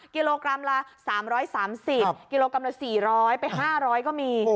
กิโลกรัมละ๓๓๐กิโลกรัมละ๔๐๐ไป๕๐๐ก็มี